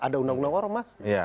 ada undang undang ormas